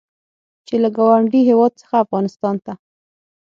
چې له ګاونډي هېواد څخه افغانستان ته